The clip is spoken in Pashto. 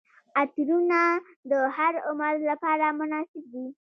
عطرونه د هر عمر لپاره مناسب دي.